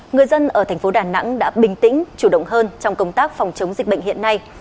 người dân ở thành phố đà nẵng đã bình tĩnh chủ động hơn trong công tác phòng chống dịch bệnh hiện nay